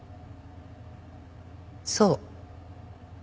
そう。